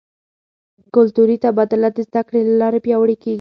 کلتوري تبادله د زده کړې له لارې پیاوړې کیږي.